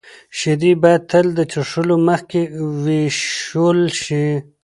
شیدې باید تل د څښلو مخکې ویشول شي.